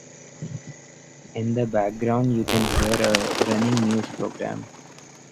In the background you can hear a running news program.